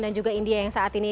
dan juga india yang saat ini